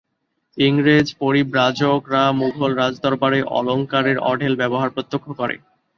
ইংরেজ পরিব্রাজকরা মুগল রাজদরবারে অলঙ্কারের অঢেল ব্যবহার প্রত্যক্ষ করে।